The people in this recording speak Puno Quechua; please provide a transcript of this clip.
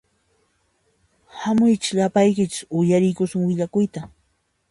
Hamuychis llapaykichis uyariykusun willakuyta